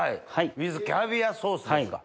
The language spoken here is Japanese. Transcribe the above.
ウィズキャビアソースですか。